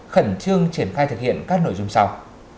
khẩn trương triển khai thực hiện các nội dung sau